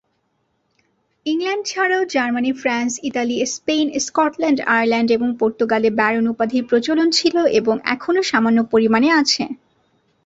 England ছাড়াও Germany, France, Italy, Spain, Scotland, Ireland এবং Portugal এ ব্যারন উপাধির প্রচলন ছিল এবং এখনো সামান্য পরিমাণে আছে।